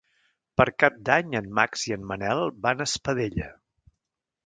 Per Cap d'Any en Max i en Manel van a Espadella.